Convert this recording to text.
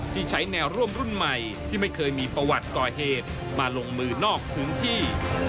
ที่ใช้แนวร่วมรุ่นใหม่ที่ไม่เคยมีประวัติก่อเหตุมาลงมือนอกพื้นที่